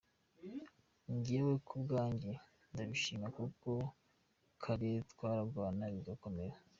' Jewe kubwanje ndabishima kuko kare twaragwana bigakomera.